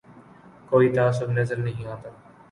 کوئی تعصب نظر نہیں آتا